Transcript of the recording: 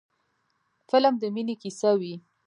فلم د مینې کیسه وي